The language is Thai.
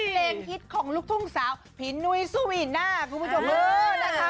เพลงคิดของลูกทุ่งสาวพินุยสุวินาทุกผู้ชมเมื่อนะคะ